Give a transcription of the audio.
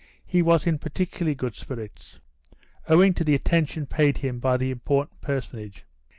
He was in particularly good spirits, owing to the attention paid him by the important personage.